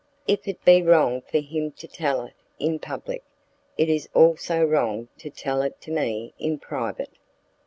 "If it be wrong for him to tell it in public, it is also wrong to tell it to me in private."